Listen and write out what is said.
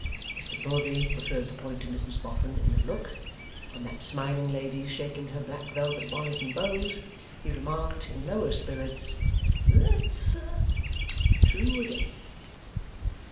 Mr Milvey referred the point to Mrs Boffin in a look; on that smiling lady's shaking her black velvet bonnet and bows, he remarked, in lower spirits, 'that's true again.